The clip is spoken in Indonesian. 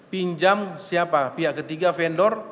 pinjam siapa pihak ketiga vendor